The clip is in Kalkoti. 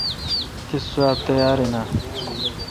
تس سواب تیار این اؘ۔